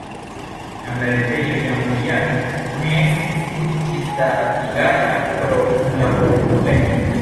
Tiam la retejo jam de jaro ne estis ĝisdatigata pro kunlabor-problemoj.